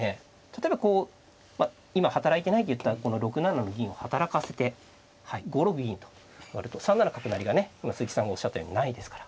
例えばこう今働いてないって言った６七の銀を働かせて５六銀と上がると３七角成がね鈴木さんがおっしゃったようにないですから。